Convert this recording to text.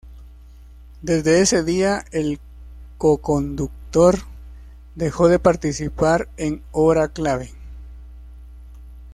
Desde ese día, el coconductor dejó de participar en "Hora clave".